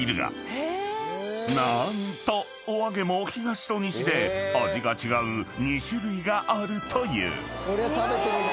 ［何とお揚げも東と西で味が違う２種類があるという］